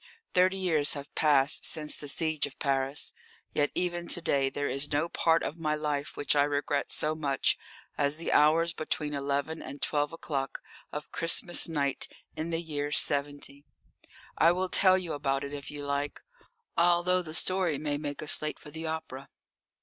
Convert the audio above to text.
Thirty years have passed since the siege of Paris, yet even to day there is no part of my life which I regret so much as the hours between eleven and twelve o'clock of Christmas night in the year 'seventy. I will tell you about it if you like, although the story may make us late for the opera."